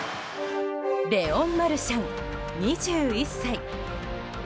レオン・マルシャン、２１歳。